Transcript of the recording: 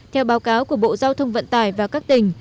theo báo cáo của bộ giao thông vận tải và các tỉnh